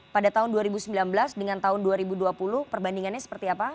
pada tahun dua ribu sembilan belas dengan tahun dua ribu dua puluh perbandingannya seperti apa